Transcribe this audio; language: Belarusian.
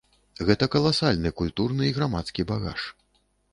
Гэта каласальны культурны і грамадскі багаж.